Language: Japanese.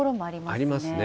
ありますね。